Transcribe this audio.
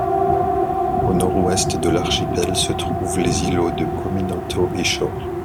Au nord-ouest de l'archipel se trouvent les îlots de Cominoto et Chaure.